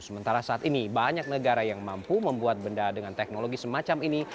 sementara saat ini banyak negara yang mampu membuat benda dengan teknologi semacam ini